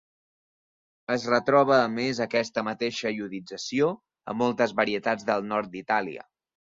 Es retroba a més aquesta mateixa iodització a moltes varietats del nord d'Itàlia.